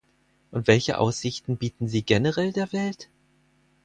Und welche Aussichten bieten sie generell der Welt?